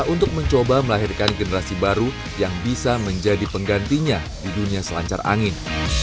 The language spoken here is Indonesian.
untuk mencoba melahirkan generasi baru yang bisa menjadi penggantinya di dunia selancar angin